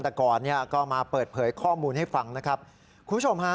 แต่ก่อนเนี่ยก็มาเปิดเผยข้อมูลให้ฟังนะครับคุณผู้ชมฮะ